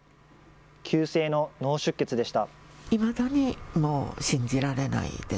急性の脳出血でした。